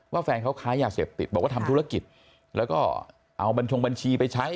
แฟนเขาค้ายาเสพติดบอกว่าทำธุรกิจแล้วก็เอาบัญชงบัญชีไปใช้